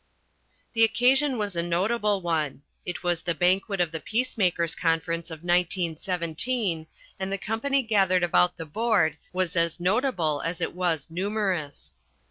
The occasion was a notable one. It was the banquet of the Peacemakers' Conference of 1917 and the company gathered about the board was as notable as it was numerous.